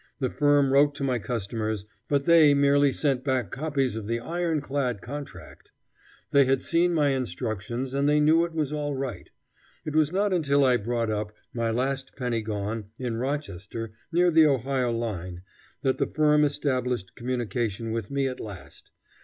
The firm wrote to my customers, but they merely sent back copies of the iron clad contract. They had seen my instructions, and they knew it was all right. It was not until I brought up, my last penny gone, in Rochester, near the Ohio line, that the firm established communication with me at last.